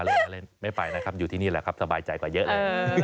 เล่นไม่ไปนะครับอยู่ที่นี่แหละครับสบายใจกว่าเยอะเลย